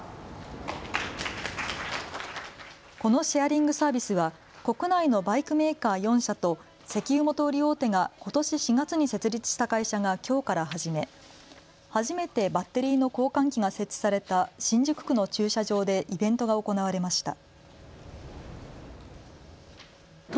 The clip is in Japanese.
このシェアリングサービスは国内のバイクメーカー４社と石油元売り大手がことし４月に設立した会社がきょうから始め初めてバッテリーの交換機が設置された新宿区の駐車場でイベントが行われました。